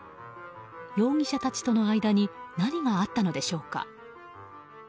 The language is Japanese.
容疑者たちとの間に何があったのでしょうか。